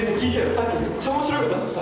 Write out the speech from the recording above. さっきめっちゃ面白いことあってさ！